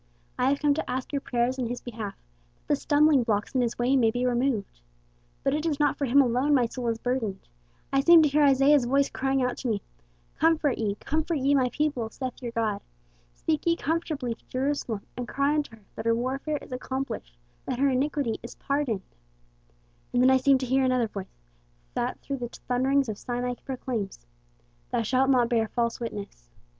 I have come to ask your prayers in his behalf, that the stumbling blocks in his way may be removed. But it is not for him alone my soul is burdened. I seem to hear Isaiah's voice crying out to me, 'Comfort ye, comfort ye my people, saith your God. Speak ye comfortably to Jerusalem, and cry unto her that her warfare is accomplished, that her iniquity is pardoned.' And then I seem to hear another voice that through the thunderings of Sinai proclaims, 'Thou shalt not bear false witness.'